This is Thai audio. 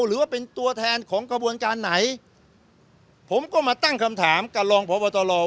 หรือว่าเป็นตัวแทนของกระบวนการไหนผมก็มาตั้งคำถามกับรองพบตร